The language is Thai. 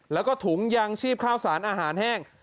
แล้วก็ถุงยางชีพข้าวสารอาหารแห้ง